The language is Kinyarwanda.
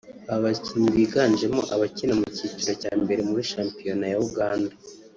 Aba bakinnyi biganjemo abakina mu cyiciro cya mbere muri shampiyoan ya Uganda